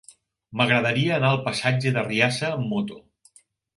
M'agradaria anar al passatge d'Arriassa amb moto.